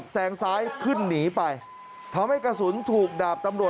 ตอนนี้ก็ยิ่งแล้ว